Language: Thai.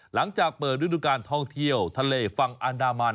หลังจากเปิดฤดูการท่องเที่ยวทะเลฝั่งอันดามัน